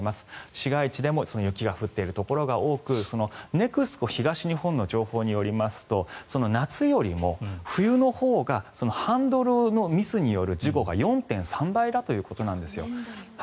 市街地でも雪が降っているところも多くネクスコ東日本の情報によりますと夏よりも冬のほうがハンドルのミスによる事故が４．３倍だということなんです。